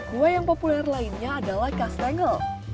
kue yang populer lainnya adalah castengel